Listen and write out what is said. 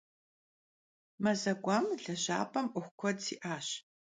Maze k'uam lejap'em 'uexu kued şı'aş.